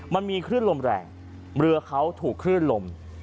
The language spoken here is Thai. มันมีคลื่นลมแรงเรือเขาถูกคลื่นลม